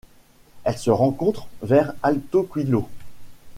Elle se rencontre vers Alto Cuílo.